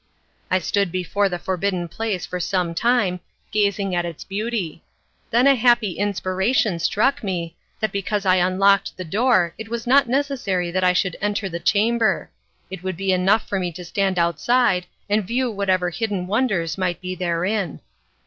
I stood before the forbidden place for some time, gazing at its beauty; then a happy inspiration struck me, that because I unlocked the door it was not necessary that I should enter the chamber. It would be enough for me to stand outside and view whatever hidden wonders might be therein.